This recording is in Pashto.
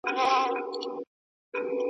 غزني زموږ د تاریخي امپراتوریو مرکز و.